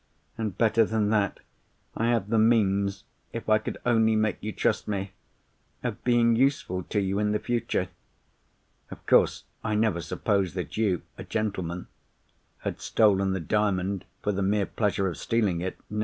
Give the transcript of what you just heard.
And better than that, I had the means (if I could only make you trust me) of being useful to you in the future. Of course, I never supposed that you—a gentleman—had stolen the Diamond for the mere pleasure of stealing it.